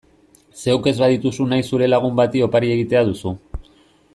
Zeuk ez badituzu nahi zure lagun bati opari egitea duzu.